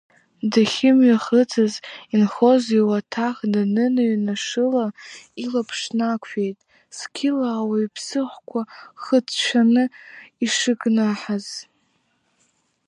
Дахьымҩахыҵыз инхоз иуаҭах даныныҩнашыла, илаԥш нақәшәеит зқьыла ауаҩԥс хқәа хыҵәҵәаны ишыкнаҳаз.